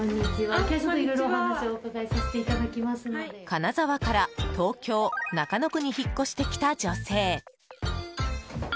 金沢から東京・中野区に引っ越してきた女性。